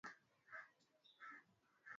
Mwaka huu tulivuna sana mpunga